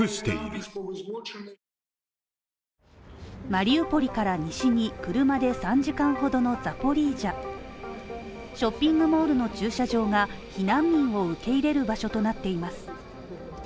マリウポリから西に車で３時間ほどのザポリージャショッピングモールの駐車場が避難民を受け入れる場所となっています。